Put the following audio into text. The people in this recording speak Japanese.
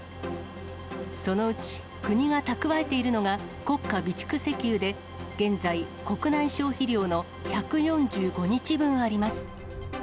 そのうち国が蓄えているのが国家備蓄石油で、現在、国内消費量の１４５日分あります。